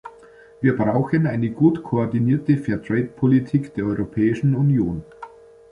Wir brauchen eine gut koordinierte Fair-Trade-Politik der Europäischen Union.